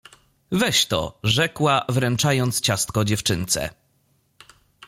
— Weź to — rzekła, wręczając ciastko dziewczynce.